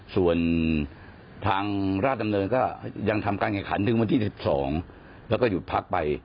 ส่วนทางราชดำเนินก็ยังทำการแข่งขันถึงวันที่๑๒แล้วก็หยุดพักไป